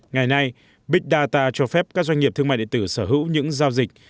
ngày nay big data cho phép các doanh nghiệp thương mại điện tử sở hữu những giao dịch